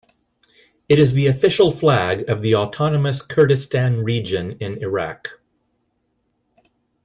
It is the official flag of the autonomous Kurdistan Region in Iraq.